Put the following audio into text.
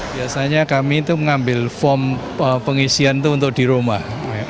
biasanya kami itu mengambil form pengisian itu untuk di rumah